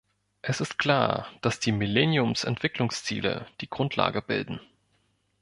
Es ist klar, dass die Millenniums-Entwicklungsziele die Grundlage bilden.